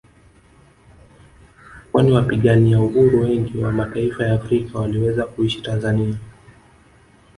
Kwani wapigania uhuru wengi wa mataifa ya Afrika waliweza kuishi Tanzania